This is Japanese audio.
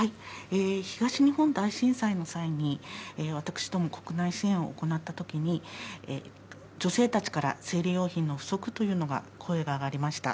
東日本大震災の際に、私ども国内支援を行ったときに、女性たちから、生理用品の不足というのが声が上がりました。